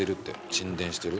沈殿してる。